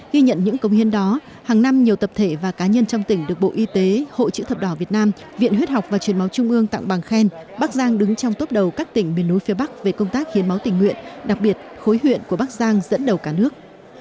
ghi nhận những công hiến đó hàng năm nhiều tập thể và cá nhân trong tỉnh được bộ y tế hội chữ thập đỏ việt nam viện huyết học và truyền máu trung ương tặng bằng khen bắc giang đứng trong tốp đầu các tỉnh miền núi phía bắc về công tác hiến máu tình nguyện đặc biệt khối huyện của bắc giang dẫn đầu cả nước